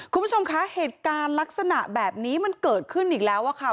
คุณผู้ชมคะเหตุการณ์ลักษณะแบบนี้มันเกิดขึ้นอีกแล้วอะค่ะ